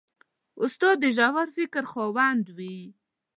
استاد د ژور فکر خاوند وي.